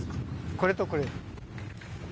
これとこれ。